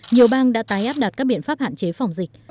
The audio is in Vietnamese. nhiều bang đã tái áp đặt các biện pháp hạn chế phòng dịch